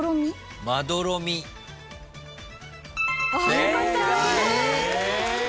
よかった。